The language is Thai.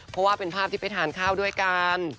เพราะว่าเป็นภาพที่ไปทานข้าวด้วยกัน